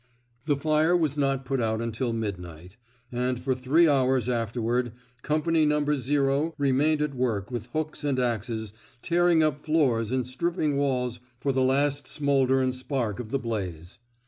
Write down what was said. The fire was not put out until midnight; and for three hours afterward Company 115 f THE SMOKE EATEBS No. remained at work with hooks and axes tearing up floors and stripping walls for the last smoulder and spark of the blaze.